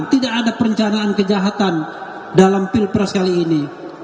tidak ada perencanaan kejahatan dalam pilpres kali ini